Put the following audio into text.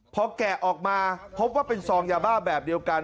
พอแกะออกมาพบว่าเป็นซองยาบ้าแบบเดียวกัน